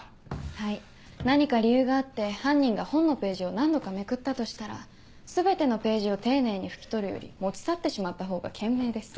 はい何か理由があって犯人が本のページを何度かめくったとしたら全てのページを丁寧に拭き取るより持ち去ってしまったほうが懸命です。